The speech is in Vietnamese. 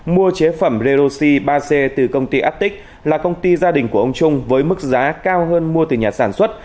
mua chế phẩm redoxi ba c từ công ty atic là công ty gia đình của ông trung với mức giá cao hơn mua từ nhà sản xuất